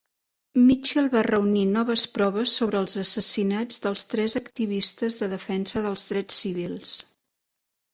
Mitchell va reunir noves proves sobre els assassinats dels tres activistes de defensa dels drets civils.